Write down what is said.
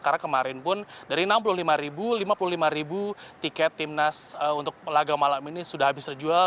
karena kemarin pun dari enam puluh lima ribu lima puluh lima ribu tiket timnas untuk lagam malam ini sudah habis terjual